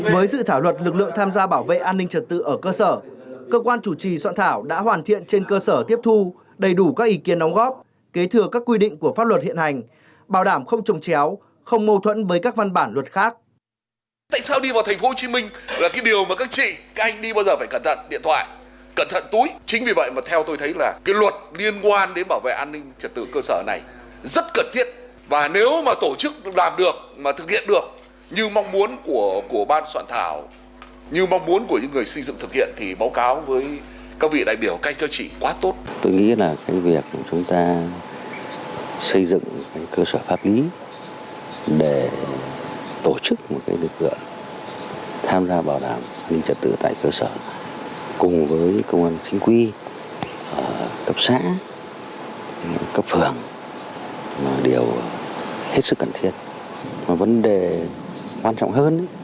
với dự thảo luật lực lượng tham gia bảo vệ an ninh trật tự ở cơ sở cơ quan chủ trì soạn thảo đã hoàn thiện trên cơ sở tiếp thu đầy đủ các ý kiến đóng góp kế thừa các quy định của pháp luật hiện hành bảo đảm không trồng chéo không mâu thuẫn với các văn bản luật hiện hành